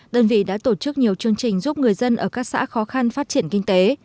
đơn vị đã tổ chức nhiều chương trình giúp người dân ở các xã khó khăn phát triển kinh tế